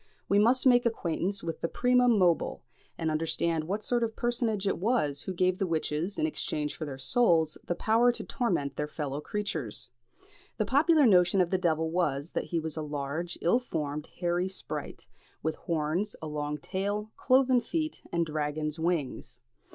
We must make acquaintance with the primum mobile, and understand what sort of a personage it was who gave the witches, in exchange for their souls, the power to torment their fellow creatures. The popular notion of the devil was, that he was a large, ill formed, hairy sprite, with horns, a long tail, cloven feet, and dragon's wings.